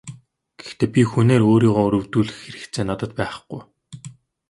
Гэхдээ би хүнээр өөрийгөө өрөвдүүлэх хэрэгцээ надад байхгүй.